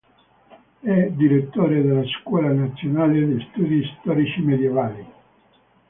È direttore della "Scuola Nazionale di studi storici medioeval"i.